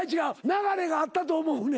流れがあったと思うねん。